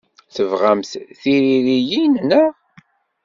Tebɣamt tiririyin, naɣ?